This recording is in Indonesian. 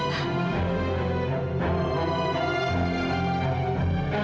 dia akan rabbinya yerde di dahulu